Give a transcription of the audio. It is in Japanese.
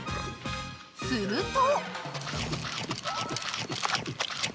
［すると］